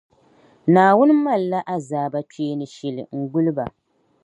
Naawuni malila azaaba kpeeni shili n-guli ba.